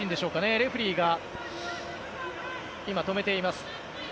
レフェリーが止めています。